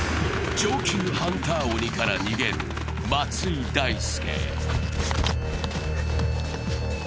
上級ハンター鬼から逃げる松井大輔。